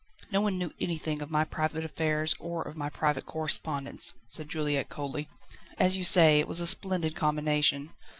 "No one knew anything of my private affairs or of my private correspondence," said Juliette coldly; "as you say, it was a splendid combination.